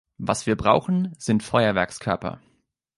Was wir brauchen, sind Feuerwerkskörper.